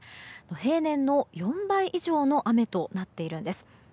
平年の４倍以上の雨となっているんです。